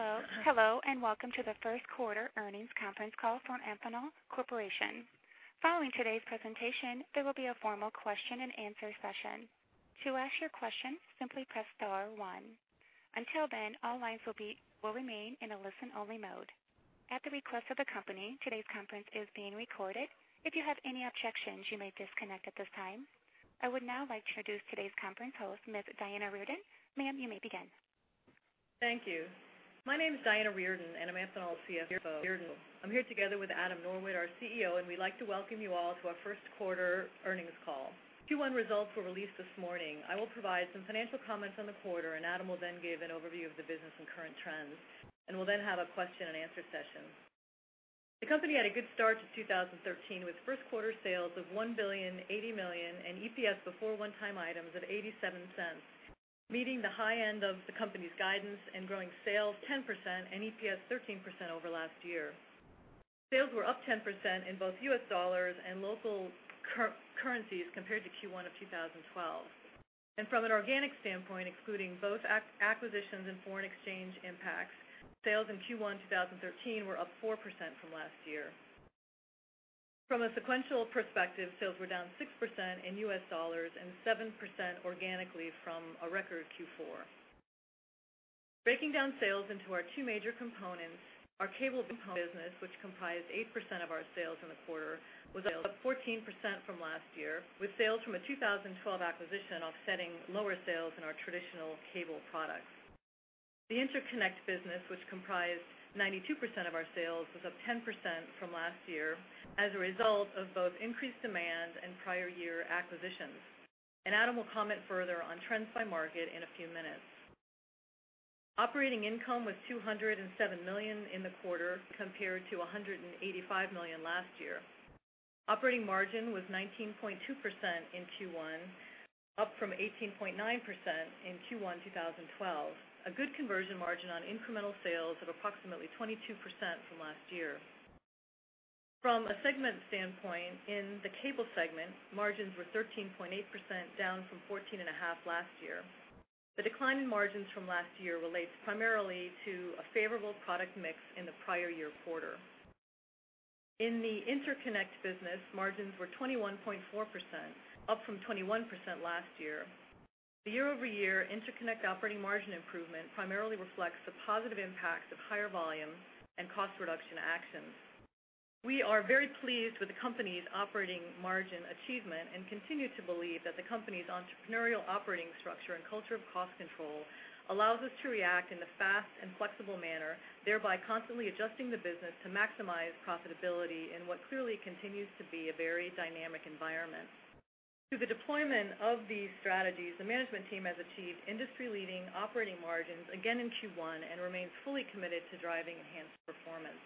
Hello. Hi. Hello and welcome to the first quarter earnings conference call from Amphenol Corporation. Following today's presentation, there will be a formal question-and-answer session. To ask your question, simply press star one. Until then, all lines will remain in a listen-only mode. At the request of the company, today's conference is being recorded. If you have any objections, you may disconnect at this time. I would now like to introduce today's conference host, Ms. Diana Reardon. Ma'am, you may begin. Thank you. My name is Diana Reardon, and I'm Amphenol's CFO, Diana Reardon. I'm here together with Adam Norwitt, our CEO, and we'd like to welcome you all to our first quarter earnings call. Q1 results were released this morning. I will provide some financial comments on the quarter, and Adam will then give an overview of the business and current trends, and we'll then have a question-and-answer session. The company had a good start to 2013 with first quarter sales of $1.08 billion and EPS before one-time items of $0.87, meeting the high end of the company's guidance and growing sales 10% and EPS 13% over last year. Sales were up 10% in both U.S. dollars and local currencies compared to Q1 of 2012. From an organic standpoint, including both acquisitions and foreign exchange impacts, sales in Q1 2013 were up 4% from last year. From a sequential perspective, sales were down 6% in U.S. dollars and 7% organically from a record Q4. Breaking down sales into our two major components, our cable business, which comprised 8% of our sales in the quarter, was up 14% from last year, with sales from a 2012 acquisition offsetting lower sales in our traditional cable products. The interconnect business, which comprised 92% of our sales, was up 10% from last year as a result of both increased demand and prior year acquisitions. And Adam will comment further on trends by market in a few minutes. Operating income was $207 million in the quarter compared to $185 million last year. Operating margin was 19.2% in Q1, up from 18.9% in Q1 2012, a good conversion margin on incremental sales of approximately 22% from last year. From a segment standpoint, in the cable segment, margins were 13.8%, down from 14.5% last year. The decline in margins from last year relates primarily to a favorable product mix in the prior year quarter. In the interconnect business, margins were 21.4%, up from 21% last year. The year-over-year interconnect operating margin improvement primarily reflects the positive impacts of higher volume and cost reduction actions. We are very pleased with the company's operating margin achievement and continue to believe that the company's entrepreneurial operating structure and culture of cost control allows us to react in a fast and flexible manner, thereby constantly adjusting the business to maximize profitability in what clearly continues to be a very dynamic environment. Through the deployment of these strategies, the management team has achieved industry-leading operating margins again in Q1 and remains fully committed to driving enhanced performance.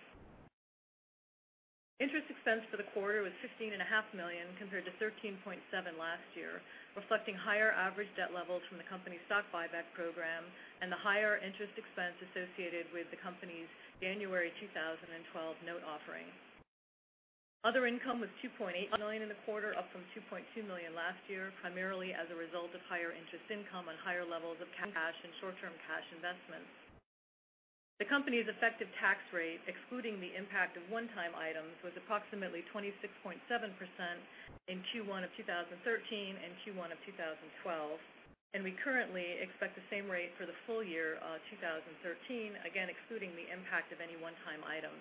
Interest expense for the quarter was $15.5 million compared to $13.7 million last year, reflecting higher average debt levels from the company's stock buyback program and the higher interest expense associated with the company's January 2012 note offering. Other income was $2.8 million in the quarter, up from $2.2 million last year, primarily as a result of higher interest income and higher levels of cash and short-term cash investments. The company's effective tax rate, excluding the impact of one-time items, was approximately 26.7% in Q1 of 2013 and Q1 of 2012, and we currently expect the same rate for the full year of 2013, again excluding the impact of any one-time items.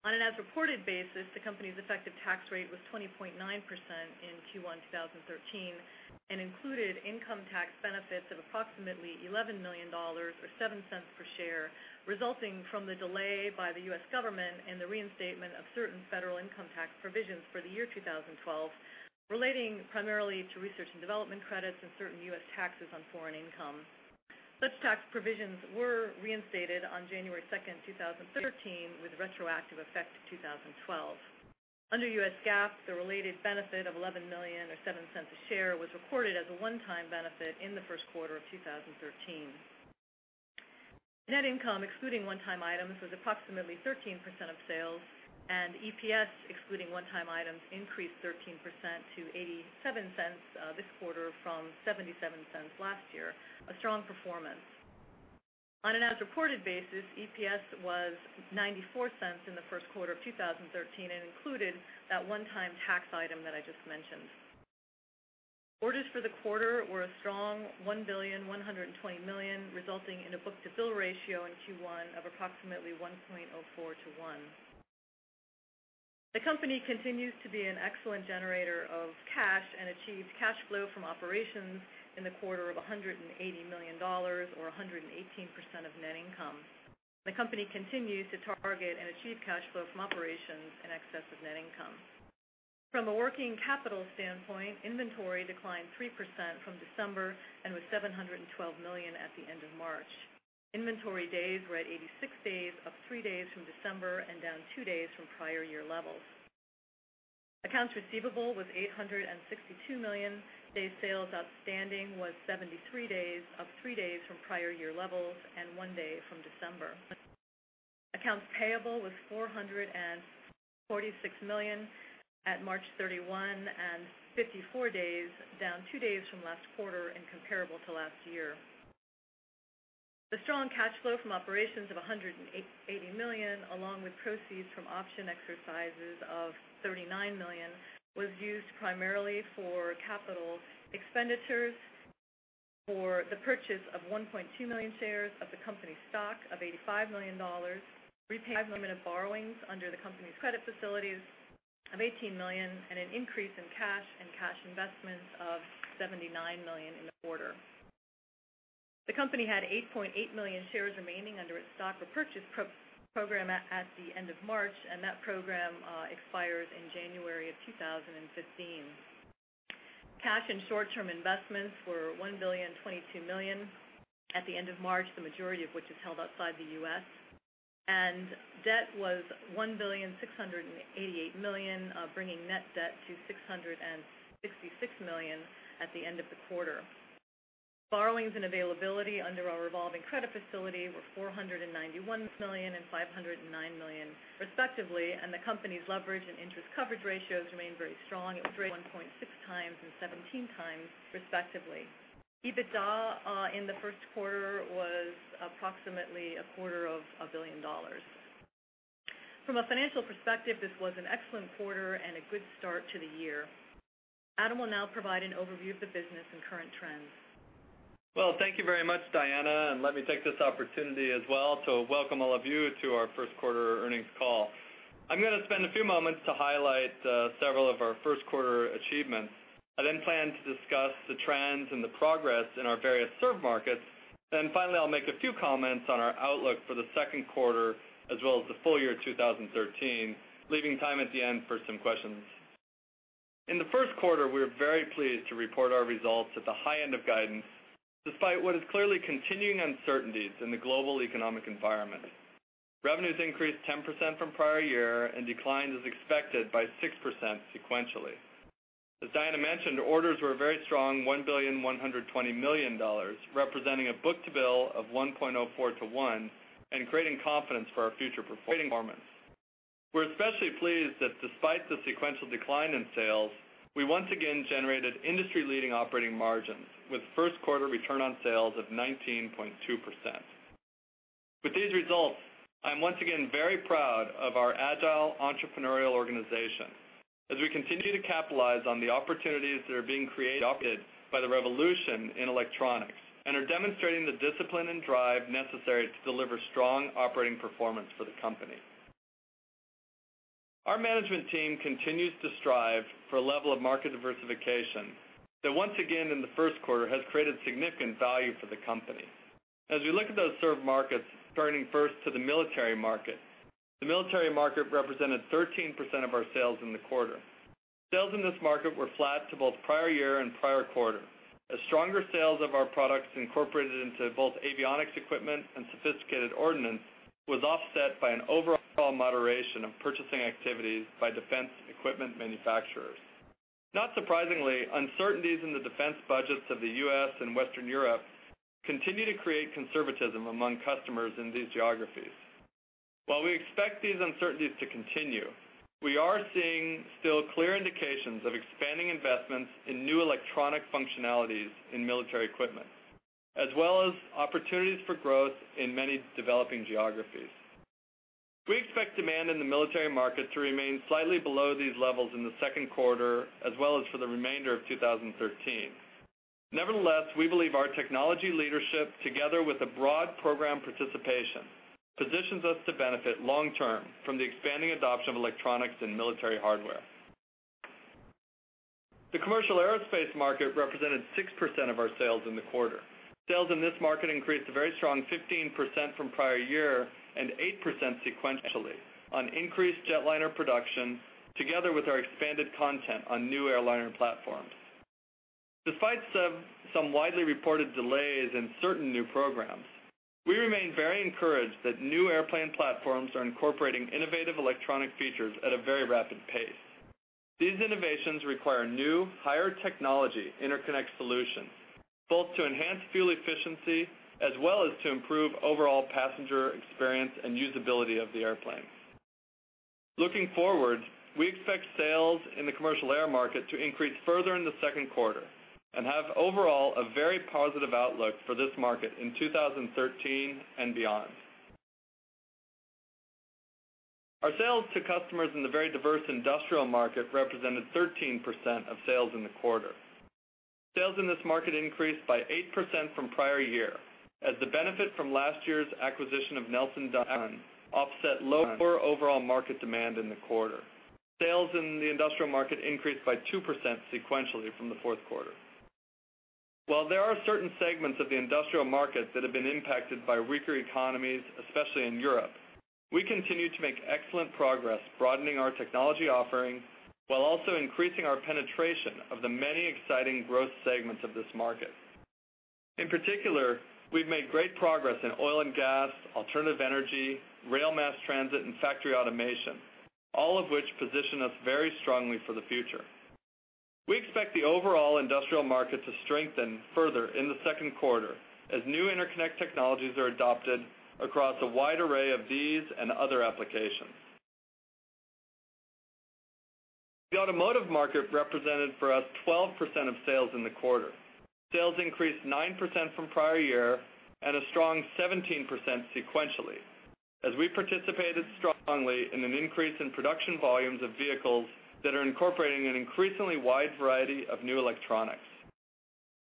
On an as-reported basis, the company's effective tax rate was 20.9% in Q1 2013 and included income tax benefits of approximately $11 million or $0.07 per share, resulting from the delay by the U.S. government in the reinstatement of certain federal income tax provisions for the year 2012, relating primarily to research and development credits and certain U.S. taxes on foreign income. Such tax provisions were reinstated on January 2, 2013, with retroactive effect to 2012. Under U.S. GAAP, the related benefit of $11 million or $0.07 a share was recorded as a one-time benefit in the first quarter of 2013. Net income, excluding one-time items, was approximately 13% of sales, and EPS, excluding one-time items, increased 13% to $0.87 this quarter from $0.77 last year, a strong performance. On an as-reported basis, EPS was $0.94 in the first quarter of 2013 and included that one-time tax item that I just mentioned. Orders for the quarter were a strong $1.120 billion, resulting in a book-to-bill ratio in Q1 of approximately 1.04 to 1. The company continues to be an excellent generator of cash and achieved cash flow from operations in the quarter of $180 million or 118% of net income. The company continues to target and achieve cash flow from operations in excess of net income. From a working capital standpoint, inventory declined 3% from December and was $712 million at the end of March. Inventory days were at 86 days, up three days from December and down two days from prior year levels. Accounts receivable was $862 million. Day sales outstanding was 73 days, up three days from prior year levels and one day from December. Accounts payable was $446 million at March 31 and 54 days, down two days from last quarter and comparable to last year. The strong cash flow from operations of $180 million, along with proceeds from option exercises of $39 million, was used primarily for capital expenditures, for the purchase of 1.2 million shares of the company's stock of $85 million, repayment of borrowings under the company's credit facilities of $18 million, and an increase in cash and cash investments of $79 million in the quarter. The company had 8.8 million shares remaining under its stock repurchase program at the end of March, and that program expires in January of 2015. Cash and short-term investments were $1.022 billion at the end of March, the majority of which is held outside the U.S., and debt was $1.688 billion, bringing net debt to $666 million at the end of the quarter. Borrowings and availability under our revolving credit facility were $491 million and $509 million, respectively, and the company's leverage and interest coverage ratios remained very strong at 1.6 times and 17 times, respectively. EBITDA in the first quarter was approximately $250 million. From a financial perspective, this was an excellent quarter and a good start to the year. Adam will now provide an overview of the business and current trends. Well, thank you very much, Diana, and let me take this opportunity as well to welcome all of you to our first quarter earnings call. I'm going to spend a few moments to highlight several of our first quarter achievements. I then plan to discuss the trends and the progress in our various served markets. Then finally, I'll make a few comments on our outlook for the second quarter as well as the full year 2013, leaving time at the end for some questions. In the first quarter, we were very pleased to report our results at the high end of guidance, despite what is clearly continuing uncertainties in the global economic environment. Revenues increased 10% from prior year and declined as expected by 6% sequentially. As Diana mentioned, orders were a very strong $1.120 billion, representing a book-to-bill of 1.04 to 1 and creating confidence for our future performance. We're especially pleased that despite the sequential decline in sales, we once again generated industry-leading operating margins with first quarter return on sales of 19.2%. With these results, I'm once again very proud of our agile entrepreneurial organization as we continue to capitalize on the opportunities that are being created by the revolution in electronics and are demonstrating the discipline and drive necessary to deliver strong operating performance for the company. Our management team continues to strive for a level of market diversification that once again in the first quarter has created significant value for the company. As we look at those served markets, turning first to the military market, the military market represented 13% of our sales in the quarter. Sales in this market were flat to both prior year and prior quarter. A stronger sales of our products incorporated into both avionics equipment and sophisticated ordnance was offset by an overall moderation of purchasing activities by defense equipment manufacturers. Not surprisingly, uncertainties in the defense budgets of the U.S. and Western Europe continue to create conservatism among customers in these geographies. While we expect these uncertainties to continue, we are seeing still clear indications of expanding investments in new electronic functionalities in military equipment, as well as opportunities for growth in many developing geographies. We expect demand in the military market to remain slightly below these levels in the second quarter, as well as for the remainder of 2013. Nevertheless, we believe our technology leadership, together with a broad program participation, positions us to benefit long-term from the expanding adoption of electronics and military hardware. The commercial aerospace market represented 6% of our sales in the quarter. Sales in this market increased a very strong 15% from prior year and 8% sequentially on increased jetliner production, together with our expanded content on new airliner platforms. Despite some widely reported delays in certain new programs, we remain very encouraged that new airplane platforms are incorporating innovative electronic features at a very rapid pace. These innovations require new, higher-technology interconnect solutions, both to enhance fuel efficiency as well as to improve overall passenger experience and usability of the airplane. Looking forward, we expect sales in the commercial air market to increase further in the second quarter and have overall a very positive outlook for this market in 2013 and beyond. Our sales to customers in the very diverse industrial market represented 13% of sales in the quarter. Sales in this market increased by 8% from prior year as the benefit from last year's acquisition of Nelson-Dunn offset lower overall market demand in the quarter. Sales in the industrial market increased by 2% sequentially from the fourth quarter. While there are certain segments of the industrial market that have been impacted by weaker economies, especially in Europe, we continue to make excellent progress broadening our technology offering while also increasing our penetration of the many exciting growth segments of this market. In particular, we've made great progress in oil and gas, alternative energy, rail mass transit, and factory automation, all of which position us very strongly for the future. We expect the overall industrial market to strengthen further in the second quarter as new interconnect technologies are adopted across a wide array of these and other applications. The automotive market represented for us 12% of sales in the quarter. Sales increased 9% from prior year and a strong 17% sequentially as we participated strongly in an increase in production volumes of vehicles that are incorporating an increasingly wide variety of new electronics.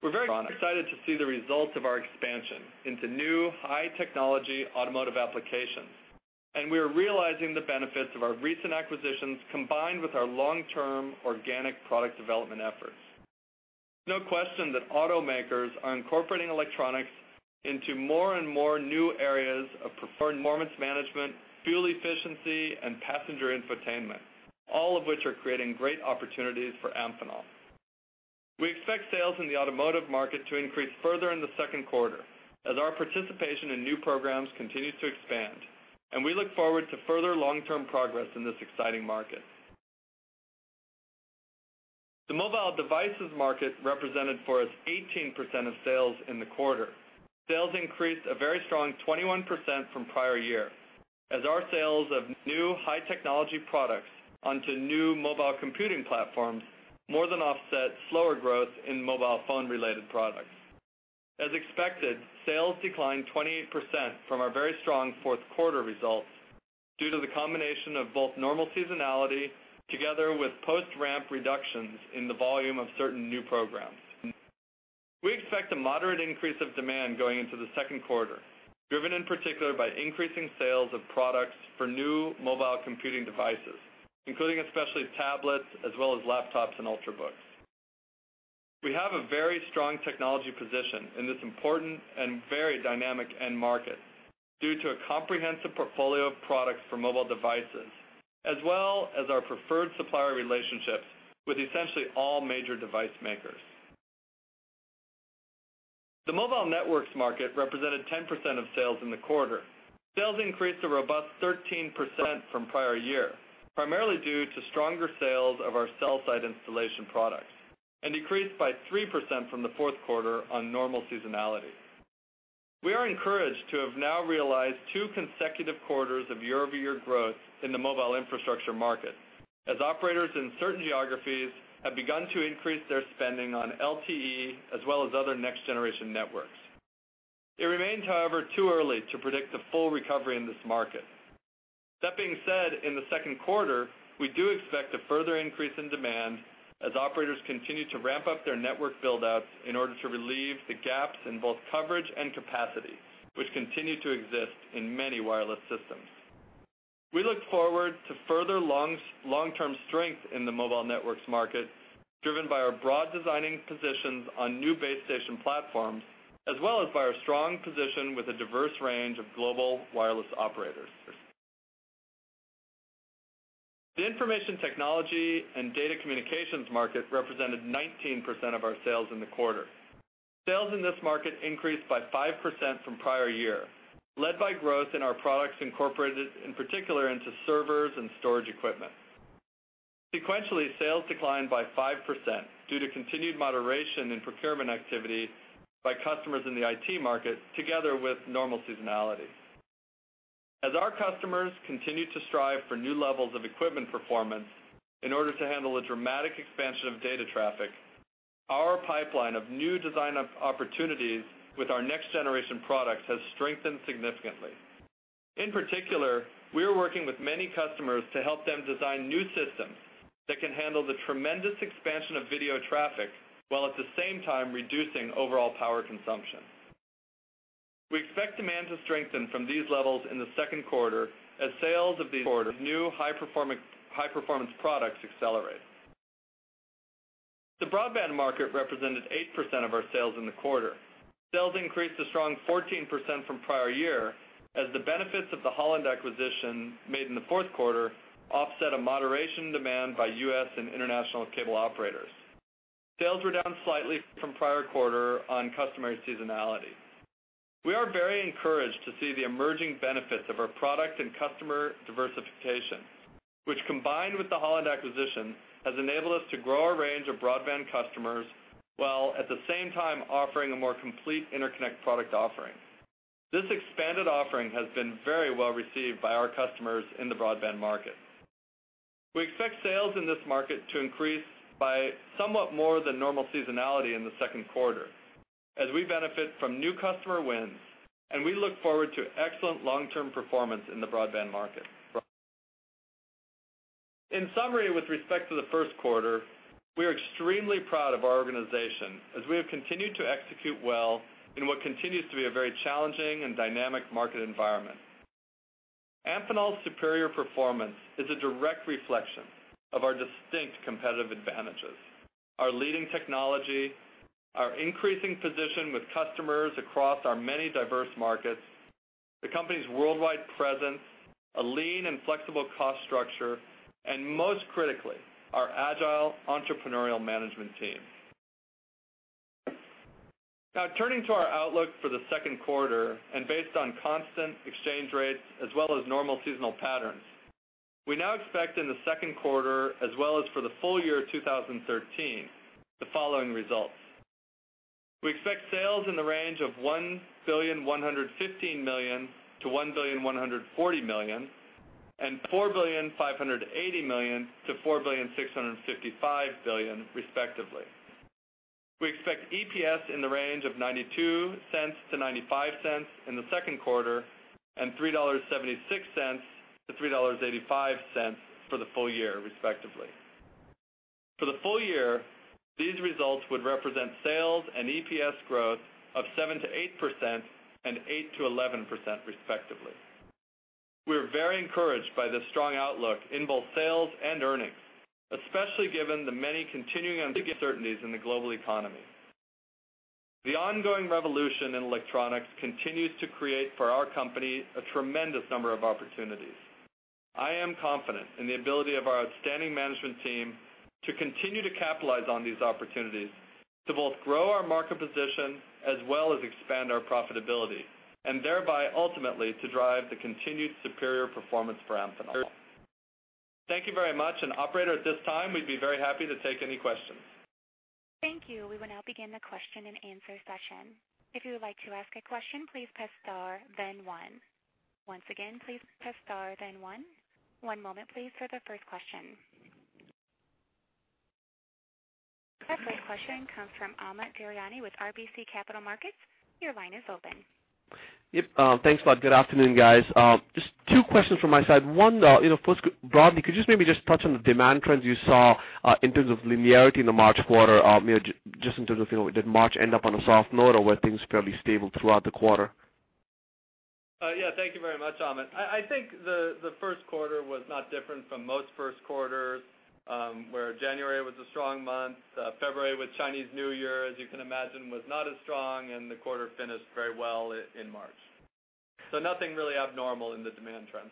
We're very excited to see the results of our expansion into new high-technology automotive applications, and we are realizing the benefits of our recent acquisitions combined with our long-term organic product development efforts. There's no question that automakers are incorporating electronics into more and more new areas of performance management, fuel efficiency, and passenger infotainment, all of which are creating great opportunities for Amphenol. We expect sales in the automotive market to increase further in the second quarter as our participation in new programs continues to expand, and we look forward to further long-term progress in this exciting market. The mobile devices market represented for us 18% of sales in the quarter. Sales increased a very strong 21% from prior year as our sales of new high-technology products onto new mobile computing platforms more than offset slower growth in mobile phone-related products. As expected, sales declined 28% from our very strong fourth quarter results due to the combination of both normal seasonality together with post-ramp reductions in the volume of certain new programs. We expect a moderate increase of demand going into the second quarter, driven in particular by increasing sales of products for new mobile computing devices, including especially tablets as well as laptops and Ultrabooks. We have a very strong technology position in this important and very dynamic end market due to a comprehensive portfolio of products for mobile devices, as well as our preferred supplier relationships with essentially all major device makers. The mobile networks market represented 10% of sales in the quarter. Sales increased a robust 13% from prior year, primarily due to stronger sales of our cell-site installation products and decreased by 3% from the fourth quarter on normal seasonality. We are encouraged to have now realized two consecutive quarters of year-over-year growth in the mobile infrastructure market as operators in certain geographies have begun to increase their spending on LTE as well as other next-generation networks. It remains, however, too early to predict a full recovery in this market. That being said, in the second quarter, we do expect a further increase in demand as operators continue to ramp up their network buildouts in order to relieve the gaps in both coverage and capacity, which continue to exist in many wireless systems. We look forward to further long-term strength in the mobile networks market, driven by our broad design-in positions on new base station platforms as well as by our strong position with a diverse range of global wireless operators. The information technology and data communications market represented 19% of our sales in the quarter. Sales in this market increased by 5% from prior year, led by growth in our products incorporated, in particular, into servers and storage equipment. Sequentially, sales declined by 5% due to continued moderation in procurement activity by customers in the IT market, together with normal seasonality. As our customers continue to strive for new levels of equipment performance in order to handle a dramatic expansion of data traffic, our pipeline of new design opportunities with our next-generation products has strengthened significantly. In particular, we are working with many customers to help them design new systems that can handle the tremendous expansion of video traffic while at the same time reducing overall power consumption. We expect demand to strengthen from these levels in the second quarter as sales of these new high-performance products accelerate. The broadband market represented 8% of our sales in the quarter. Sales increased a strong 14% from prior year as the benefits of the Holland acquisition made in the fourth quarter offset a moderation in demand by U.S. and international cable operators. Sales were down slightly from prior quarter on customary seasonality. We are very encouraged to see the emerging benefits of our product and customer diversification, which, combined with the Holland acquisition, has enabled us to grow our range of broadband customers while at the same time offering a more complete interconnect product offering. This expanded offering has been very well received by our customers in the broadband market. We expect sales in this market to increase by somewhat more than normal seasonality in the second quarter as we benefit from new customer wins, and we look forward to excellent long-term performance in the broadband market. In summary, with respect to the first quarter, we are extremely proud of our organization as we have continued to execute well in what continues to be a very challenging and dynamic market environment. Amphenol's superior performance is a direct reflection of our distinct competitive advantages: our leading technology, our increasing position with customers across our many diverse markets, the company's worldwide presence, a lean and flexible cost structure, and most critically, our agile entrepreneurial management team. Now, turning to our outlook for the second quarter and based on constant exchange rates as well as normal seasonal patterns, we now expect in the second quarter as well as for the full year 2013 the following results. We expect sales in the range of $1.115 billion-$1.140 billion and $4.580 billion-$4.655 billion, respectively. We expect EPS in the range of $0.92-$0.95 in the second quarter and $3.76-$3.85 for the full year, respectively. For the full year, these results would represent sales and EPS growth of 7%-8% and 8%-11%, respectively. We are very encouraged by this strong outlook in both sales and earnings, especially given the many continuing uncertainties in the global economy. The ongoing revolution in electronics continues to create for our company a tremendous number of opportunities. I am confident in the ability of our outstanding management team to continue to capitalize on these opportunities to both grow our market position as well as expand our profitability and thereby, ultimately, to drive the continued superior performance for Amphenol. Thank you very much. And, operator, at this time, we'd be very happy to take any questions. Thank you. We will now begin the question and answer session. If you would like to ask a question, please press star, then one. Once again, please press star, then one. One moment, please, for the first question. Our first question comes from Amit Daryanani with RBC Capital Markets. Your line is open. Yep. Thanks, bud. Good afternoon, guys. Just two questions from my side. One, first, broadly, could you just maybe just touch on the demand trends you saw in terms of linearity in the March quarter? Just in terms of, did March end up on a soft note or were things fairly stable throughout the quarter? Yeah. Thank you very much, Amit. I think the first quarter was not different from most first quarters, where January was a strong month. February, with Chinese New Year, as you can imagine, was not as strong, and the quarter finished very well in March. So nothing really abnormal in the demand trends.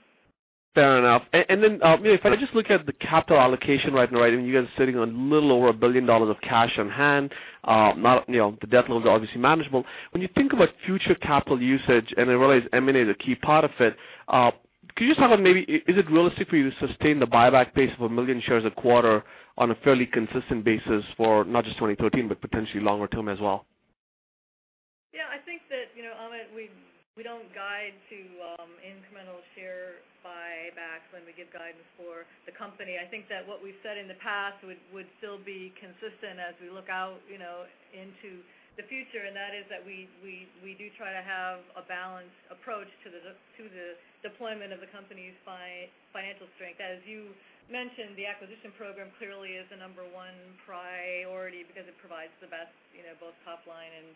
Fair enough. And then, if I just look at the capital allocation right now, right? I mean, you guys are sitting on a little over $1 billion of cash on hand. The debt load is obviously manageable. When you think about future capital usage, and I realize M&A is a key part of it, could you just talk about maybe is it realistic for you to sustain the buyback pace of 1 million shares a quarter on a fairly consistent basis for not just 2013 but potentially longer term as well? Yeah. I think that, Amit, we don't guide to incremental share buybacks when we give guidance for the company. I think that what we've said in the past would still be consistent as we look out into the future, and that is that we do try to have a balanced approach to the deployment of the company's financial strength. As you mentioned, the acquisition program clearly is the number one priority because it provides the best both top-line and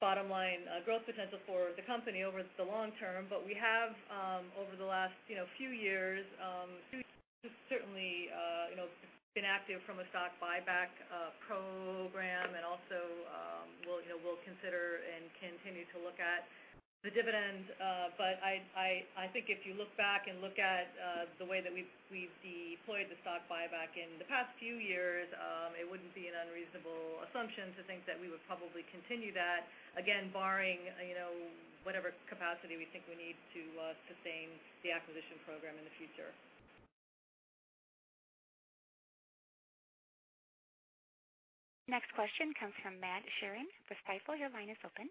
bottom-line growth potential for the company over the long term. But we have, over the last few years, certainly been active from a stock buyback program and also will consider and continue to look at the dividend. But I think if you look back and look at the way that we've deployed the stock buyback in the past few years, it wouldn't be an unreasonable assumption to think that we would probably continue that, again, barring whatever capacity we think we need to sustain the acquisition program in the future. Next question comes from Matt Sheerin with Stifel. Your line is open.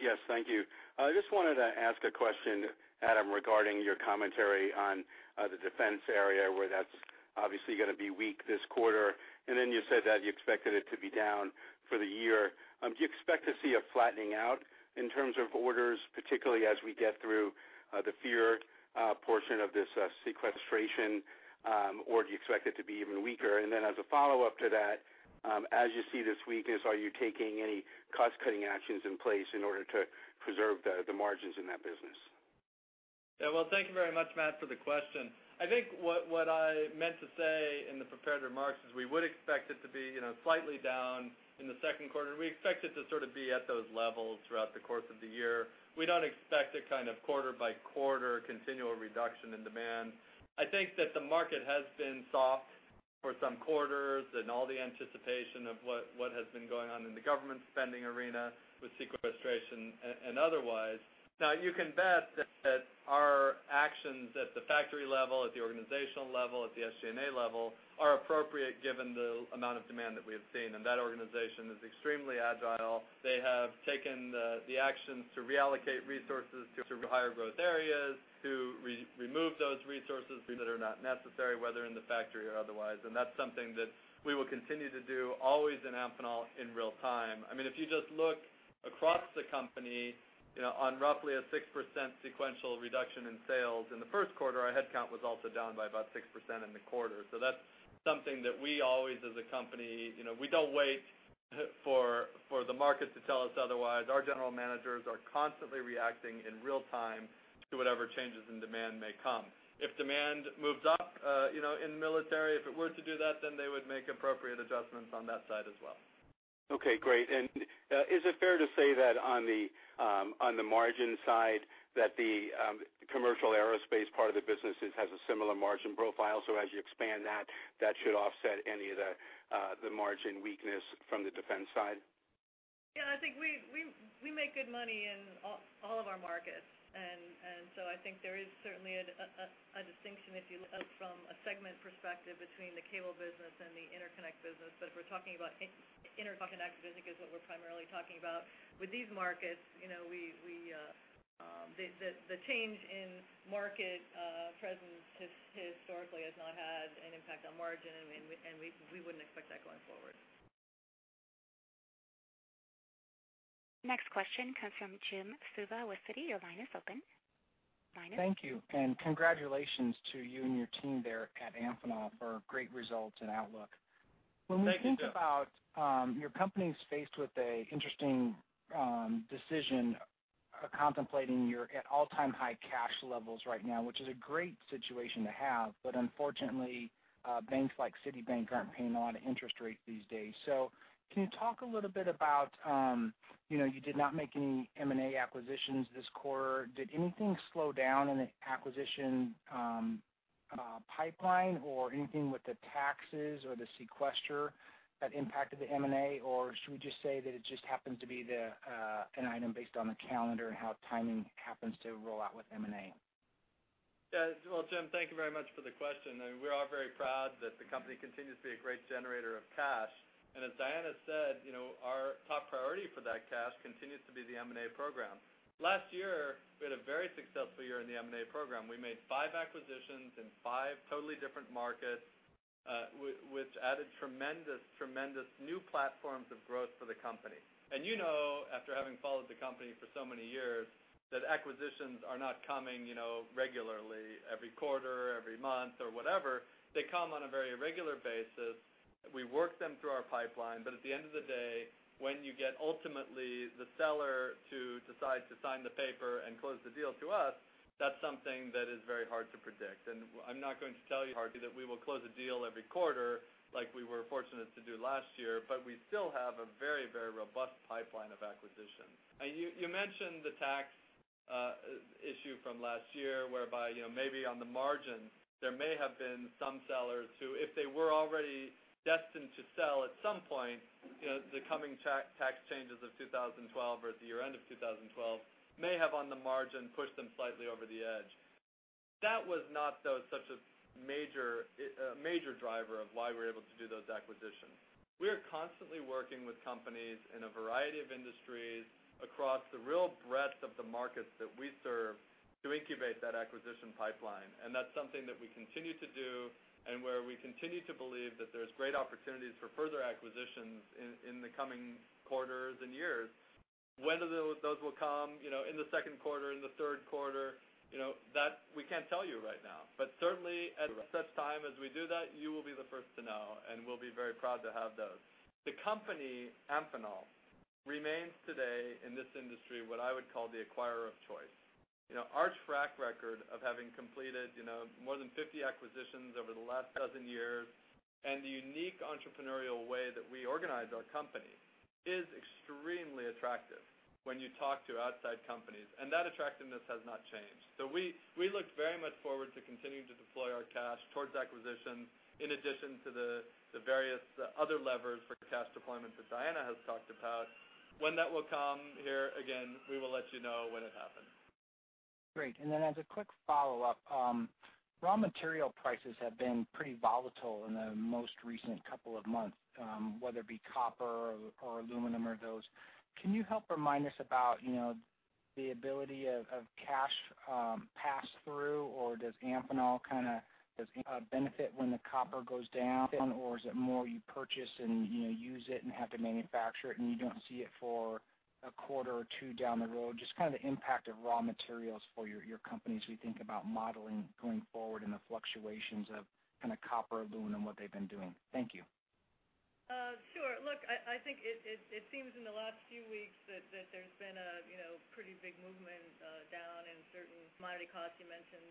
Yes. Thank you. I just wanted to ask a question, Adam, regarding your commentary on the defense area where that's obviously going to be weak this quarter. And then you said that you expected it to be down for the year. Do you expect to see a flattening out in terms of orders, particularly as we get through the fear portion of this sequestration, or do you expect it to be even weaker? And then, as a follow-up to that, as you see this weakness, are you taking any cost-cutting actions in place in order to preserve the margins in that business? Yeah. Well, thank you very much, Matt, for the question. I think what I meant to say in the prepared remarks is we would expect it to be slightly down in the second quarter. We expect it to sort of be at those levels throughout the course of the year. We don't expect a kind of quarter-by-quarter continual reduction in demand. I think that the market has been soft for some quarters in all the anticipation of what has been going on in the government spending arena with sequestration and otherwise. Now, you can bet that our actions at the factory level, at the organizational level, at the SG&A level are appropriate given the amount of demand that we have seen. That organization is extremely agile. They have taken the actions to reallocate resources to higher growth areas, to remove those resources that are not necessary, whether in the factory or otherwise. That's something that we will continue to do, always in Amphenol, in real time. I mean, if you just look across the company on roughly a 6% sequential reduction in sales in the first quarter, our headcount was also down by about 6% in the quarter. So that's something that we always, as a company, we don't wait for the market to tell us otherwise. Our general managers are constantly reacting in real time to whatever changes in demand may come. If demand moves up in the military, if it were to do that, then they would make appropriate adjustments on that side as well. Okay. Great. And is it fair to say that on the margin side that the commercial aerospace part of the business has a similar margin profile? So as you expand that, that should offset any of the margin weakness from the defense side? Yeah. I think we make good money in all of our markets. And so I think there is certainly a distinction if you look from a segment perspective between the cable business and the interconnect business. But if we're talking about interconnect, I think is what we're primarily talking about. With these markets, the change in market presence historically has not had an impact on margin, and we wouldn't expect that going forward. Next question comes from Jim Suva with Citi. Your line is open. Line is open. Thank you. And congratulations to you and your team there at Amphenol for great results and outlook. When we think about your company's faced with an interesting decision contemplating your all-time-high cash levels right now, which is a great situation to have, but unfortunately, banks like Citibank aren't paying a lot of interest rates these days. So can you talk a little bit about you did not make any M&A acquisitions this quarter. Did anything slow down in the acquisition pipeline or anything with the taxes or the sequester that impacted the M&A? Or should we just say that it just happens to be an item based on the calendar and how timing happens to roll out with M&A? Yeah. Well, Jim, thank you very much for the question. I mean, we are very proud that the company continues to be a great generator of cash. And as Diana said, our top priority for that cash continues to be the M&A program. Last year, we had a very successful year in the M&A program. We made five acquisitions in five totally different markets, which added tremendous, tremendous new platforms of growth for the company. And you know, after having followed the company for so many years, that acquisitions are not coming regularly every quarter, every month, or whatever. They come on a very regular basis. We work them through our pipeline. At the end of the day, when you get ultimately the seller to decide to sign the paper and close the deal to us, that's something that is very hard to predict. I'm not going to tell you hardly that we will close a deal every quarter like we were fortunate to do last year, but we still have a very, very robust pipeline of acquisitions. You mentioned the tax issue from last year whereby maybe on the margin, there may have been some sellers who, if they were already destined to sell at some point, the coming tax changes of 2012 or at the year-end of 2012 may have on the margin pushed them slightly over the edge. That was not such a major driver of why we were able to do those acquisitions. We are constantly working with companies in a variety of industries across the real breadth of the markets that we serve to incubate that acquisition pipeline. And that's something that we continue to do and where we continue to believe that there's great opportunities for further acquisitions in the coming quarters and years. When those will come in the second quarter, in the third quarter, we can't tell you right now. But certainly, at such time as we do that, you will be the first to know, and we'll be very proud to have those. The company, Amphenol, remains today in this industry what I would call the acquirer of choice. Our track record of having completed more than 50 acquisitions over the last dozen years and the unique entrepreneurial way that we organize our company is extremely attractive when you talk to outside companies. And that attractiveness has not changed. So we look very much forward to continuing to deploy our cash towards acquisitions in addition to the various other levers for cash deployment that Diana has talked about. When that will come here, again, we will let you know when it happens. Great. And then as a quick follow-up, raw material prices have been pretty volatile in the most recent couple of months, whether it be copper or aluminum or those. Can you help remind us about the ability of cost pass-through? Or does Amphenol kind of benefit when the copper goes down? Or is it more you purchase and use it and have to manufacture it, and you don't see it for a quarter or two down the road? Just kind of the impact of raw materials for your company as we think about modeling going forward and the fluctuations of kind of copper, aluminum, what they've been doing? Thank you. Sure. Look, I think it seems in the last few weeks that there's been a pretty big movement down in certain commodity costs. You mentioned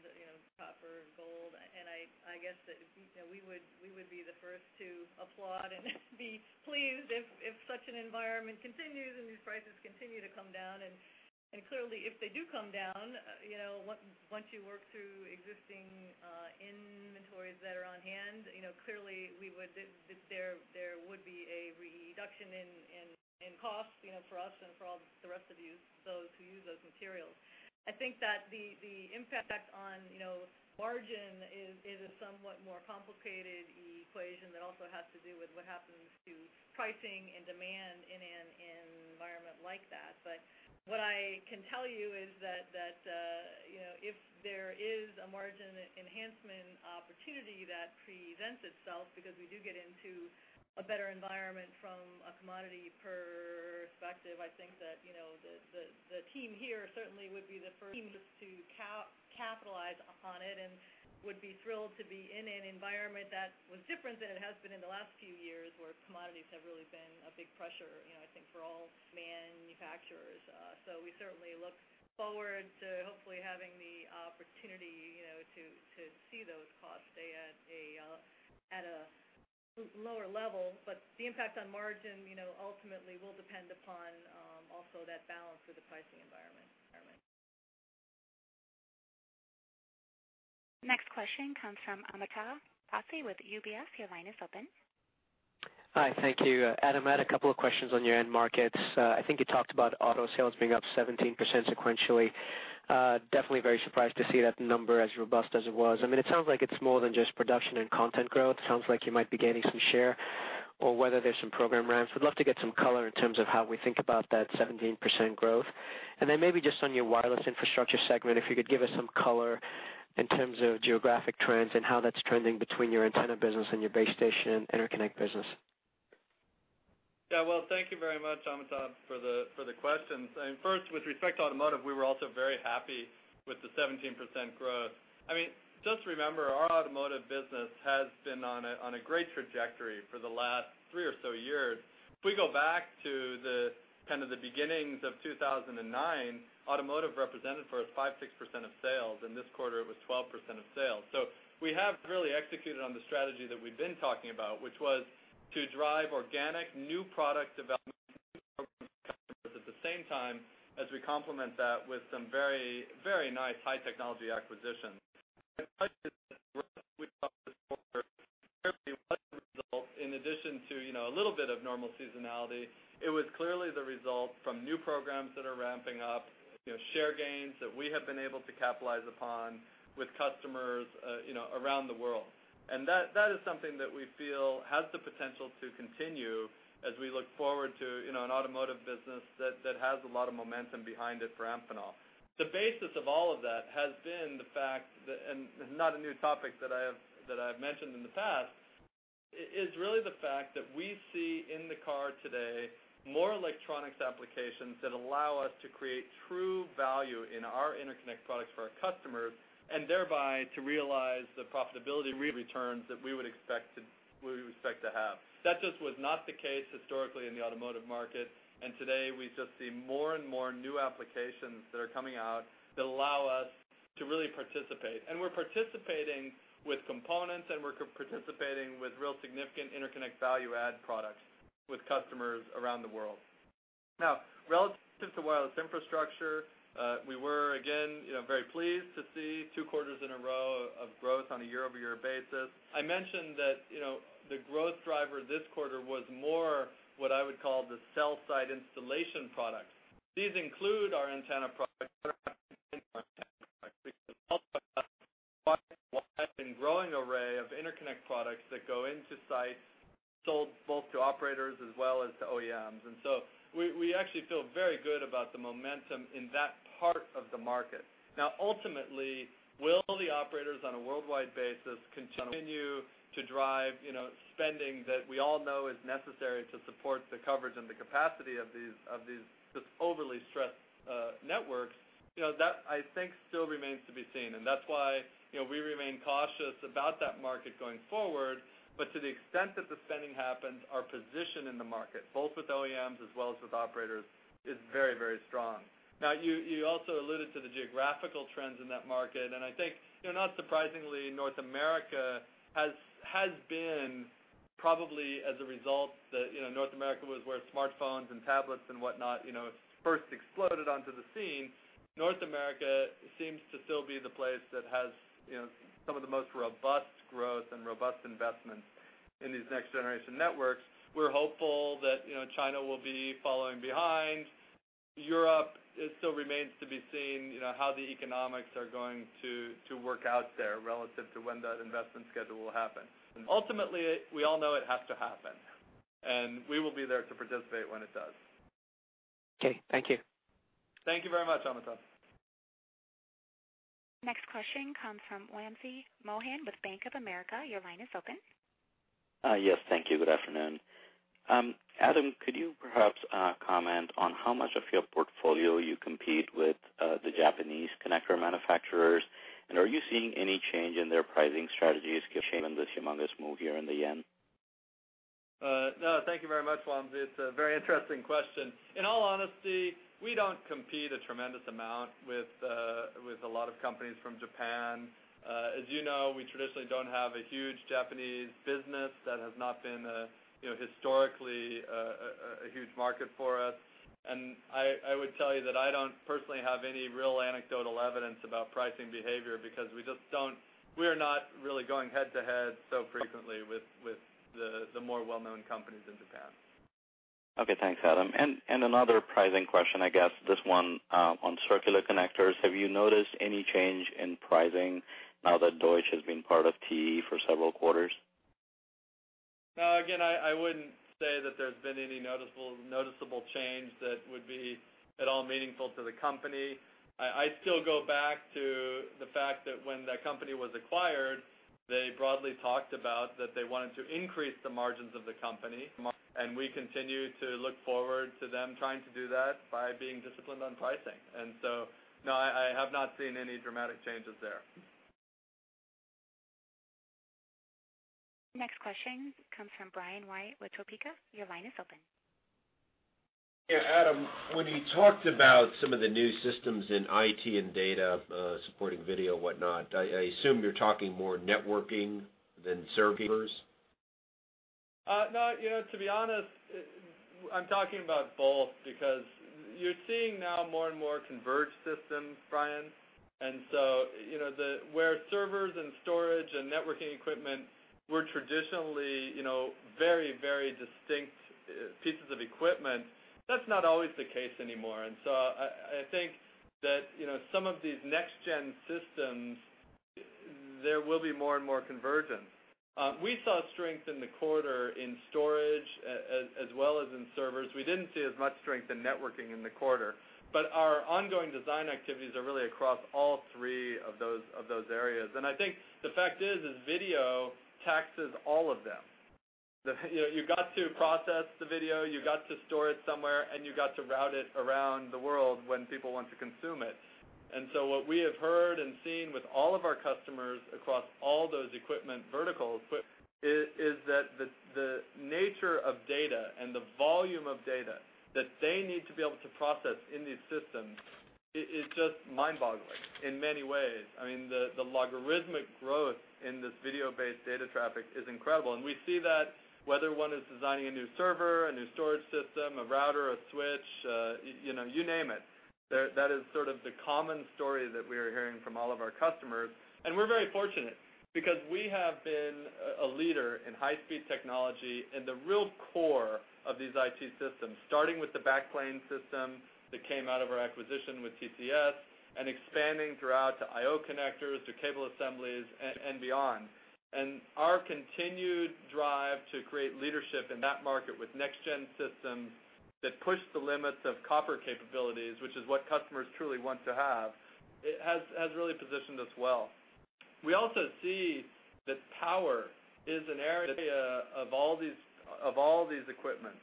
copper and gold. And I guess that we would be the first to applaud and be pleased if such an environment continues and these prices continue to come down. And clearly, if they do come down, once you work through existing inventories that are on hand, clearly, there would be a reduction in costs for us and for the rest of you, those who use those materials. I think that the impact on margin is a somewhat more complicated equation that also has to do with what happens to pricing and demand in an environment like that. But what I can tell you is that if there is a margin enhancement opportunity that presents itself, because we do get into a better environment from a commodity perspective, I think that the team here certainly would be the first to capitalize on it and would be thrilled to be in an environment that was different than it has been in the last few years where commodities have really been a big pressure, I think, for all manufacturers. So we certainly look forward to hopefully having the opportunity to see those costs stay at a lower level. But the impact on margin ultimately will depend upon also that balance with the pricing environment. Next question comes from Amitabh Passi with UBS. Your line is open. Hi. Thank you. Adam, I had a couple of questions on your end markets. I think you talked about auto sales being up 17% sequentially. Definitely very surprised to see that number as robust as it was. I mean, it sounds like it's more than just production and content growth. It sounds like you might be gaining some share or whether there's some program ramps. We'd love to get some color in terms of how we think about that 17% growth. And then maybe just on your wireless infrastructure segment, if you could give us some color in terms of geographic trends and how that's trending between your antenna business and your base station interconnect business. Yeah. Well, thank you very much, Amitabh, for the questions. First, with respect to automotive, we were also very happy with the 17% growth. I mean, just remember, our automotive business has been on a great trajectory for the last three or so years. If we go back to the kind of the beginnings of 2009, automotive represented for us 5%-6% of sales. In this quarter, it was 12% of sales. So we have really executed on the strategy that we've been talking about, which was to drive organic new product development at the same time as we complement that with some very, very nice high-technology acquisitions. The question is, we thought this quarter clearly was the result, in addition to a little bit of normal seasonality. It was clearly the result from new programs that are ramping up, share gains that we have been able to capitalize upon with customers around the world. That is something that we feel has the potential to continue as we look forward to an automotive business that has a lot of momentum behind it for Amphenol. The basis of all of that has been the fact, and not a new topic that I have mentioned in the past, is really the fact that we see in the car today more electronics applications that allow us to create true value in our interconnect products for our customers and thereby to realize the profitability returns that we would expect to have. That just was not the case historically in the automotive market. And today, we just see more and more new applications that are coming out that allow us to really participate. And we're participating with components, and we're participating with real significant interconnect value-add products with customers around the world. Now, relative to wireless infrastructure, we were, again, very pleased to see two quarters in a row of growth on a year-over-year basis. I mentioned that the growth driver this quarter was more what I would call the cell-site installation products. These include our antenna products. It's also a wide and growing array of interconnect products that go into sites, sold both to operators as well as to OEMs. And so we actually feel very good about the momentum in that part of the market. Now, ultimately, will the operators on a worldwide basis continue to drive spending that we all know is necessary to support the coverage and the capacity of these overly stressed networks? That, I think, still remains to be seen. And that's why we remain cautious about that market going forward. But to the extent that the spending happens, our position in the market, both with OEMs as well as with operators, is very, very strong. Now, you also alluded to the geographical trends in that market. I think, not surprisingly, North America has been probably as a result that North America was where smartphones and tablets and whatnot first exploded onto the scene. North America seems to still be the place that has some of the most robust growth and robust investments in these next-generation networks. We're hopeful that China will be following behind. Europe still remains to be seen how the economics are going to work out there relative to when that investment schedule will happen. Ultimately, we all know it has to happen, and we will be there to participate when it does. Okay. Thank you. Thank you very much, Amitabh. Next question comes from Wamsi Mohan with Bank of America. Your line is open. Yes. Thank you. Good afternoon. Adam, could you perhaps comment on how much of your portfolio you compete with the Japanese connector manufacturers? And are you seeing any change in their pricing strategies given this humongous move here in the yen? No. Thank you very much, Wamsi. It's a very interesting question. In all honesty, we don't compete a tremendous amount with a lot of companies from Japan. As you know, we traditionally don't have a huge Japanese business. That has not been historically a huge market for us. And I would tell you that I don't personally have any real anecdotal evidence about pricing behavior because we are not really going head-to-head so frequently with the more well-known companies in Japan. Okay. Thanks, Adam. And another pricing question, I guess, this one on circular connectors. Have you noticed any change in pricing now that Deutsch has been part of TE for several quarters? No. Again, I wouldn't say that there's been any noticeable change that would be at all meaningful to the company. I still go back to the fact that when that company was acquired, they broadly talked about that they wanted to increase the margins of the company. And we continue to look forward to them trying to do that by being disciplined on pricing. And so no, I have not seen any dramatic changes there. Next question comes from Brian White with Topeka. Your line is open. Yeah. Adam, when you talked about some of the new systems in IT and data supporting video and whatnot, I assume you're talking more networking than servers? No. To be honest, I'm talking about both because you're seeing now more and more converged systems, Brian. And so where servers and storage and networking equipment were traditionally very, very distinct pieces of equipment, that's not always the case anymore. And so I think that some of these next-gen systems, there will be more and more convergence. We saw strength in the quarter in storage as well as in servers. We didn't see as much strength in networking in the quarter. But our ongoing design activities are really across all three of those areas. And I think the fact is, video taxes all of them. You've got to process the video. You've got to store it somewhere, and you've got to route it around the world when people want to consume it. And so what we have heard and seen with all of our customers across all those equipment verticals is that the nature of data and the volume of data that they need to be able to process in these systems is just mind-boggling in many ways. I mean, the logarithmic growth in this video-based data traffic is incredible. And we see that whether one is designing a new server, a new storage system, a router, a switch, you name it, that is sort of the common story that we are hearing from all of our customers. And we're very fortunate because we have been a leader in high-speed technology in the real core of these IT systems, starting with the backplane system that came out of our acquisition with TCS and expanding throughout to I/O connectors, to cable assemblies, and beyond. And our continued drive to create leadership in that market with next-gen systems that push the limits of copper capabilities, which is what customers truly want to have, has really positioned us well. We also see that power is an area of all these equipment.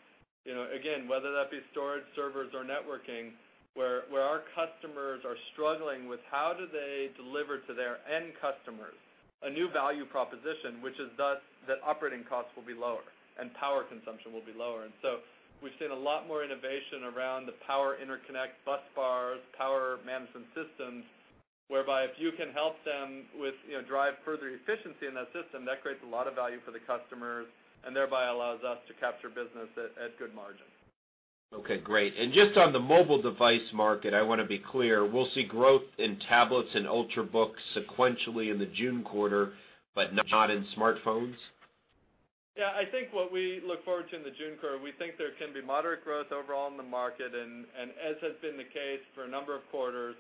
Again, whether that be storage, servers, or networking, where our customers are struggling with how do they deliver to their end customers a new value proposition, which is thus that operating costs will be lower and power consumption will be lower. And so we've seen a lot more innovation around the power interconnect bus bars, power management systems, whereby if you can help them drive further efficiency in that system, that creates a lot of value for the customers and thereby allows us to capture business at good margin. Okay. Great. And just on the mobile device market, I want to be clear. We'll see growth in tablets and Ultrabooks sequentially in the June quarter, but not in smartphones? Yeah. I think what we look forward to in the June quarter, we think there can be moderate growth overall in the market. And as has been the case for a number of quarters,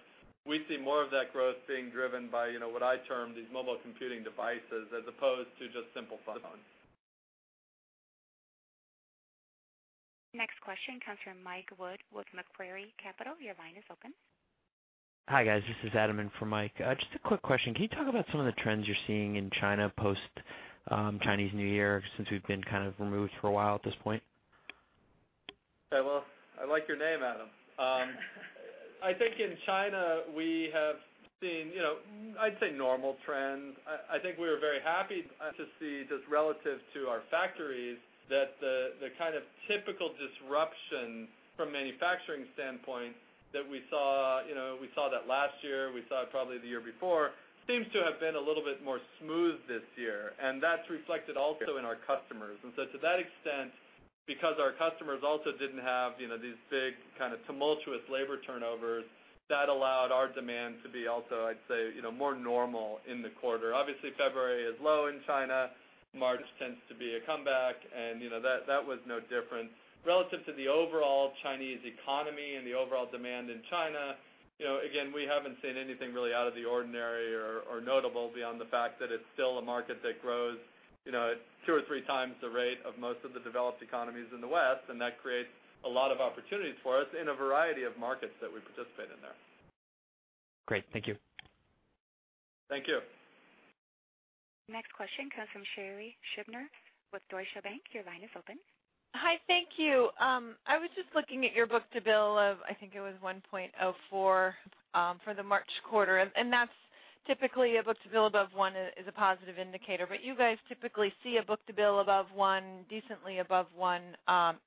we see more of that growth being driven by what I term these mobile computing devices as opposed to just simple phones. Next question comes from Mike Wood with Macquarie Capital. Your line is open. Hi guys. This is Adam in for Mike. Just a quick question. Can you talk about some of the trends you're seeing in China post-Chinese New Year since we've been kind of removed for a while at this point? Well, I like your name, Adam. I think in China, we have seen, I'd say, normal trends. I think we were very happy to see just relative to our factories that the kind of typical disruption from a manufacturing standpoint that we saw—we saw that last year. We saw it probably the year before—seems to have been a little bit more smooth this year. And that's reflected also in our customers. And so to that extent, because our customers also didn't have these big kind of tumultuous labor turnovers, that allowed our demand to be also, I'd say, more normal in the quarter. Obviously, February is low in China. March tends to be a comeback. And that was no different. Relative to the overall Chinese economy and the overall demand in China, again, we haven't seen anything really out of the ordinary or notable beyond the fact that it's still a market that grows two or three times the rate of most of the developed economies in the West. And that creates a lot of opportunities for us in a variety of markets that we participate in there. Great. Thank you. Thank you. Next question comes from Sherri Scribner with Deutsche Bank. Your line is open. Hi. Thank you. I was just looking at your book-to-bill of, I think it was 1.04 for the March quarter. And that's typically a book-to-bill above one is a positive indicator. But you guys typically see a book-to-bill above one, decently above one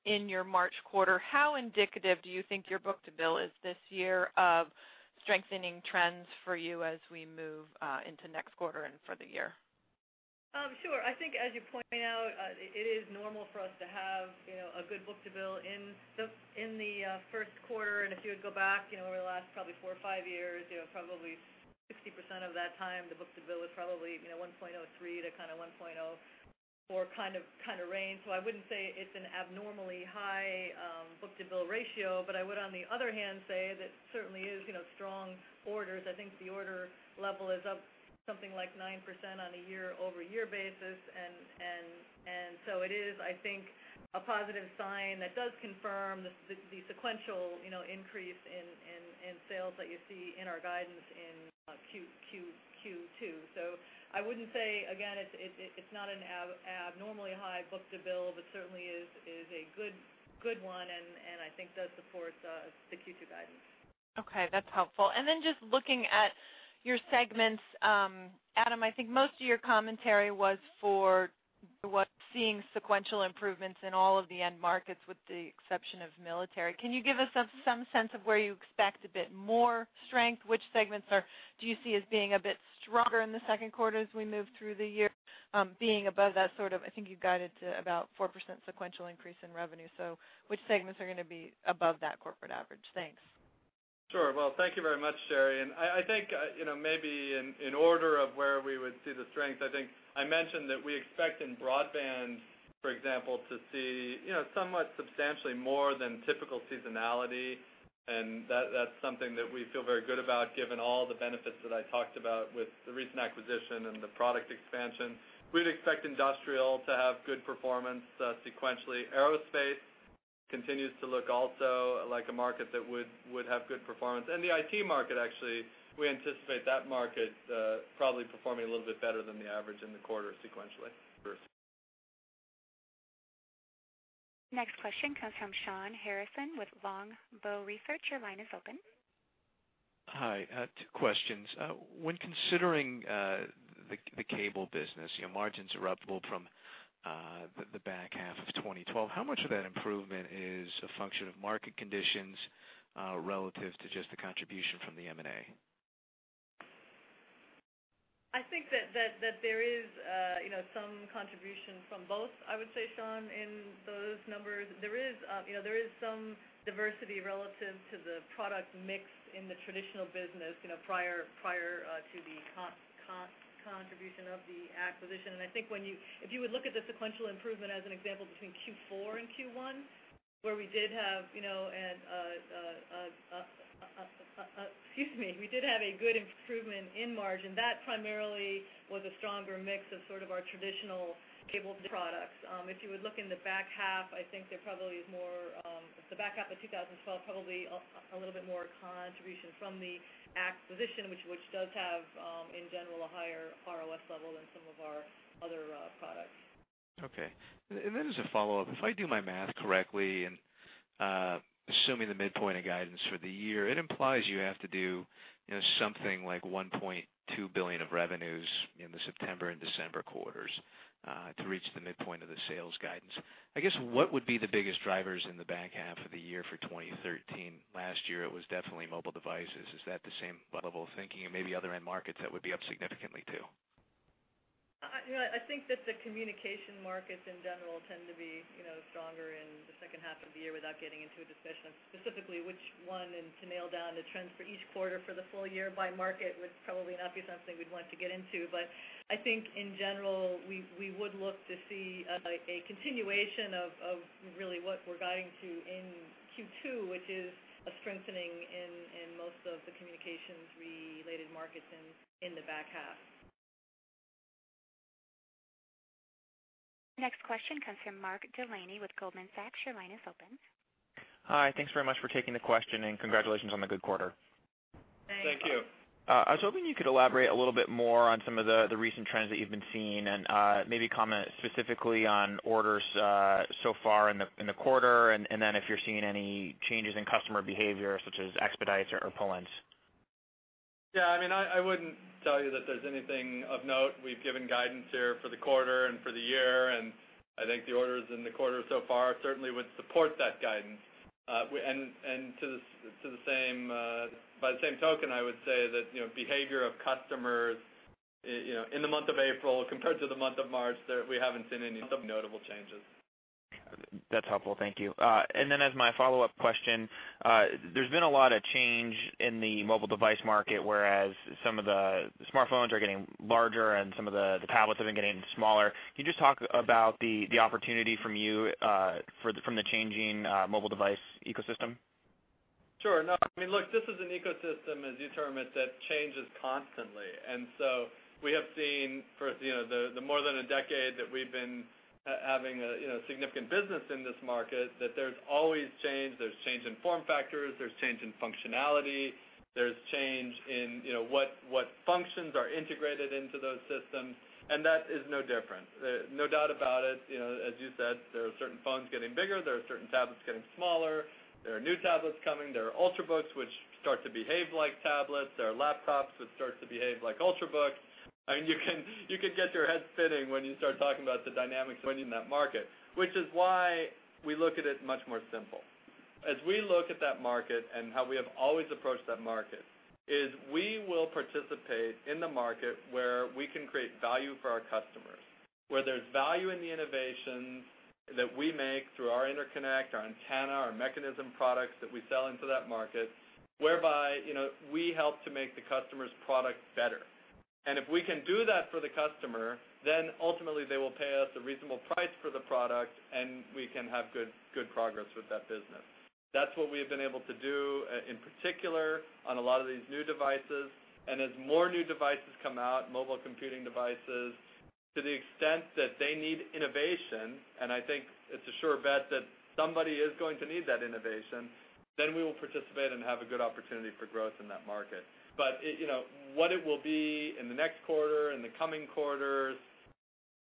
in your March quarter. How indicative do you think your book-to-bill is this year of strengthening trends for you as we move into next quarter and for the year? Sure. I think, as you point out, it is normal for us to have a good book-to-bill in the first quarter. If you would go back over the last probably four or five years, probably 60% of that time, the book-to-bill was probably 1.03-kind of 1.04 kind of range. So I wouldn't say it's an abnormally high book-to-bill ratio. But I would, on the other hand, say that it certainly is strong orders. I think the order level is up something like 9% on a year-over-year basis. So it is, I think, a positive sign that does confirm the sequential increase in sales that you see in our guidance in Q2. So I wouldn't say, again, it's not an abnormally high book-to-bill, but certainly is a good one. And I think does support the Q2 guidance. Okay. That's helpful. And then just looking at your segments, Adam, I think most of your commentary was for seeing sequential improvements in all of the end markets with the exception of military. Can you give us some sense of where you expect a bit more strength? Which segments do you see as being a bit stronger in the second quarter as we move through the year being above that sort of, I think you guided to about 4% sequential increase in revenue. So which segments are going to be above that corporate average? Thanks. Sure. Well, thank you very much, Sherri. I think maybe in order of where we would see the strength, I think I mentioned that we expect in broadband, for example, to see somewhat substantially more than typical seasonality. That's something that we feel very good about given all the benefits that I talked about with the recent acquisition and the product expansion. We'd expect industrial to have good performance sequentially. Aerospace continues to look also like a market that would have good performance. The IT market, actually, we anticipate that market probably performing a little bit better than the average in the quarter sequentially. Next question comes from Shawn Harrison with Longbow Research. Your line is open. Hi. Two questions. When considering the cable business, margins are up from the back half of 2012. How much of that improvement is a function of market conditions relative to just the contribution from the M&A? I think that there is some contribution from both, I would say, Shawn, in those numbers. There is some diversity relative to the product mix in the traditional business prior to the contribution of the acquisition. I think if you would look at the sequential improvement as an example between Q4 and Q1, where we did have, excuse me, we did have a good improvement in margin. That primarily was a stronger mix of sort of our traditional cable products. If you would look in the back half, I think there probably is more, the back half of 2012, probably a little bit more contribution from the acquisition, which does have, in general, a higher ROS level than some of our other products. Okay. Then as a follow-up, if I do my math correctly and assuming the midpoint of guidance for the year, it implies you have to do something like $1.2 billion of revenues in the September and December quarters to reach the midpoint of the sales guidance. I guess what would be the biggest drivers in the back half of the year for 2013? Last year, it was definitely mobile devices. Is that the same level of thinking? And maybe other end markets that would be up significantly too? I think that the communication markets in general tend to be stronger in the second half of the year without getting into a discussion of specifically which one and to nail down the trends for each quarter for the full year by market would probably not be something we'd want to get into. I think, in general, we would look to see a continuation of really what we're guiding to in Q2, which is a strengthening in most of the communications-related markets in the back half. Next question comes from Mark Delaney with Goldman Sachs. Your line is open. Hi. Thanks very much for taking the question and congratulations on the good quarter. Thank you. I was hoping you could elaborate a little bit more on some of the recent trends that you've been seeing and maybe comment specifically on orders so far in the quarter and then if you're seeing any changes in customer behavior such as expedites or pull-ins? Yeah. I mean, I wouldn't tell you that there's anything of note. We've given guidance here for the quarter and for the year. I think the orders in the quarter so far certainly would support that guidance. And by the same token, I would say that behavior of customers in the month of April compared to the month of March, we haven't seen any notable changes. That's helpful. Thank you. And then as my follow-up question, there's been a lot of change in the mobile device market, whereas some of the smartphones are getting larger and some of the tablets have been getting smaller. Can you just talk about the opportunity from you from the changing mobile device ecosystem? Sure. No. I mean, look, this is an ecosystem, as you term it, that changes constantly. And so we have seen for the more than a decade that we've been having significant business in this market that there's always change. There's change in form factors. There's change in functionality. There's change in what functions are integrated into those systems. And that is no different. No doubt about it. As you said, there are certain phones getting bigger. There are certain tablets getting smaller. There are new tablets coming. There are Ultrabooks, which start to behave like tablets. There are laptops, which start to behave like Ultrabooks. I mean, you can get your head spinning when you start talking about the dynamics in that market, which is why we look at it much more simple. As we look at that market and how we have always approached that market, we will participate in the market where we can create value for our customers, where there's value in the innovations that we make through our interconnect, our antenna, our mechanism products that we sell into that market, whereby we help to make the customer's product better. And if we can do that for the customer, then ultimately they will pay us a reasonable price for the product, and we can have good progress with that business. That's what we have been able to do in particular on a lot of these new devices. And as more new devices come out, mobile computing devices, to the extent that they need innovation, and I think it's a sure bet that somebody is going to need that innovation, then we will participate and have a good opportunity for growth in that market. But what it will be in the next quarter, in the coming quarters,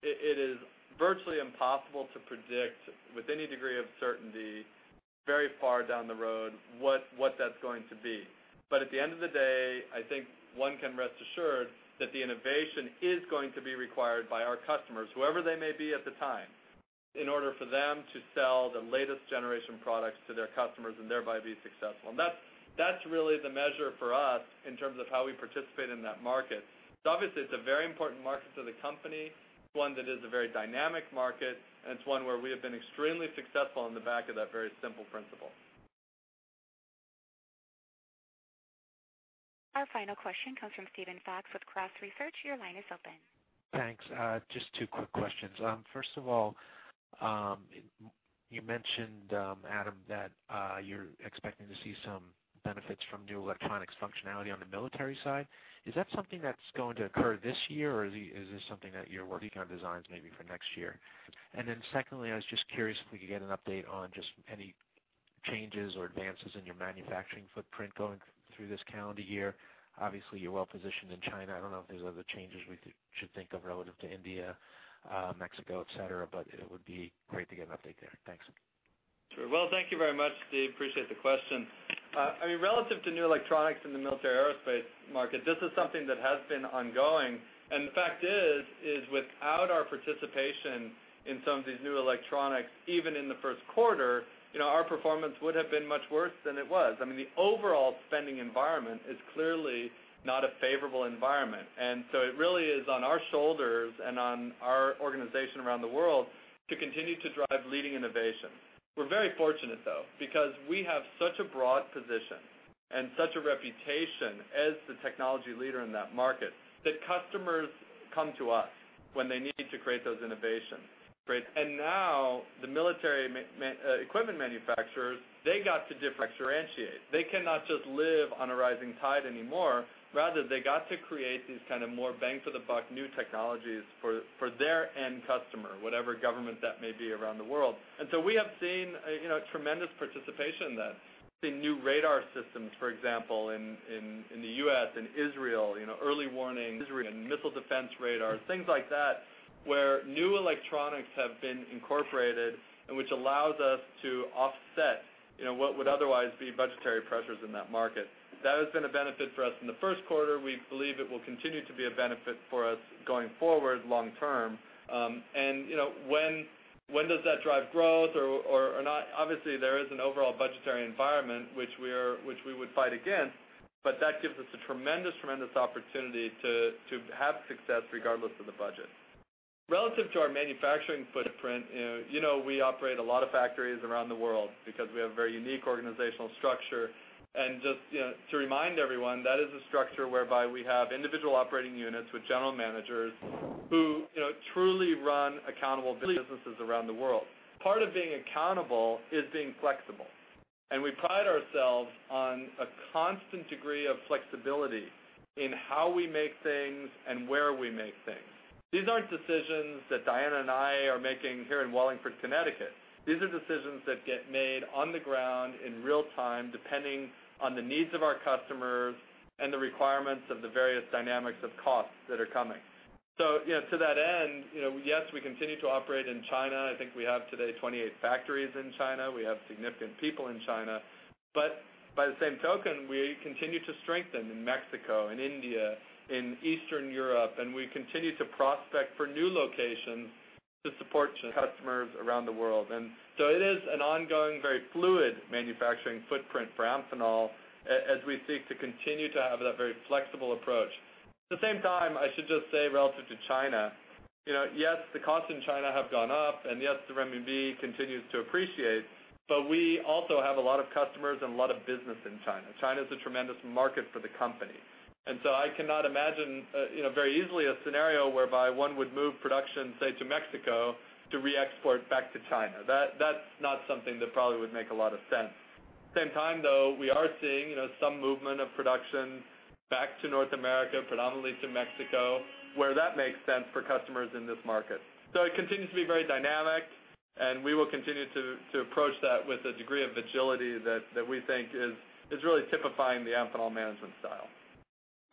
it is virtually impossible to predict with any degree of certainty very far down the road what that's going to be. But at the end of the day, I think one can rest assured that the innovation is going to be required by our customers, whoever they may be at the time, in order for them to sell the latest generation products to their customers and thereby be successful. And that's really the measure for us in terms of how we participate in that market. So obviously, it's a very important market to the company, one that is a very dynamic market, and it's one where we have been extremely successful on the back of that very simple principle. Our final question comes from Steven Fox with Cross Research. Your line is open. Thanks. Just two quick questions. First of all, you mentioned, Adam, that you're expecting to see some benefits from new electronics functionality on the military side. Is that something that's going to occur this year, or is this something that you're working on designs maybe for next year? And then secondly, I was just curious if we could get an update on just any changes or advances in your manufacturing footprint going through this calendar year. Obviously, you're well positioned in China. I don't know if there's other changes we should think of relative to India, Mexico, etc., but it would be great to get an update there. Thanks. Sure. Well, thank you very much. I appreciate the question. I mean, relative to new electronics in the military aerospace market, this is something that has been ongoing. And the fact is, without our participation in some of these new electronics, even in the first quarter, our performance would have been much worse than it was. I mean, the overall spending environment is clearly not a favorable environment. And so it really is on our shoulders and on our organization around the world to continue to drive leading innovation. We're very fortunate, though, because we have such a broad position and such a reputation as the technology leader in that market that customers come to us when they need to create those innovations. And now the military equipment manufacturers, they got to differentiate. They cannot just live on a rising tide anymore. Rather, they got to create these kind of more bang-for-the-buck new technologies for their end customer, whatever government that may be around the world. And so we have seen tremendous participation in that. We've seen new radar systems, for example, in the U.S. and Israel, early warning missile defense radars, things like that, where new electronics have been incorporated and which allows us to offset what would otherwise be budgetary pressures in that market. That has been a benefit for us in the first quarter. We believe it will continue to be a benefit for us going forward long-term. And when does that drive growth or not? Obviously, there is an overall budgetary environment, which we would fight against, but that gives us a tremendous, tremendous opportunity to have success regardless of the budget. Relative to our manufacturing footprint, we operate a lot of factories around the world because we have a very unique organizational structure. And just to remind everyone, that is a structure whereby we have individual operating units with general managers who truly run accountable businesses around the world. Part of being accountable is being flexible. We pride ourselves on a constant degree of flexibility in how we make things and where we make things. These aren't decisions that Diana and I are making here in Wallingford, Connecticut. These are decisions that get made on the ground in real time, depending on the needs of our customers and the requirements of the various dynamics of costs that are coming. So to that end, yes, we continue to operate in China. I think we have today 28 factories in China. We have significant people in China. But by the same token, we continue to strengthen in Mexico, in India, in Eastern Europe. We continue to prospect for new locations to support customers around the world. And so it is an ongoing, very fluid manufacturing footprint for Amphenol as we seek to continue to have that very flexible approach. At the same time, I should just say relative to China, yes, the costs in China have gone up, and yes, the renminbi continues to appreciate, but we also have a lot of customers and a lot of business in China. China is a tremendous market for the company. And so I cannot imagine very easily a scenario whereby one would move production, say, to Mexico to re-export back to China. That's not something that probably would make a lot of sense. At the same time, though, we are seeing some movement of production back to North America, predominantly to Mexico, where that makes sense for customers in this market. So it continues to be very dynamic, and we will continue to approach that with a degree of agility that we think is really typifying the Amphenol management style.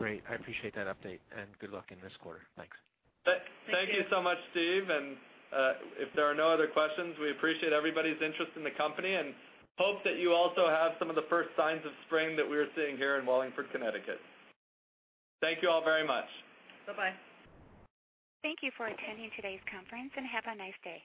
Great. I appreciate that update, and good luck in this quarter. Thanks. Thank you so much, Steve. If there are no other questions, we appreciate everybody's interest in the company and hope that you also have some of the first signs of spring that we are seeing here in Wallingford, Connecticut. Thank you all very much. Bye-bye. Thank you for attending today's conference, and have a nice day.